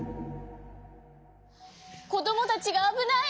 こどもたちがあぶない！